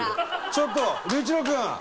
ちょっと龍一郎君！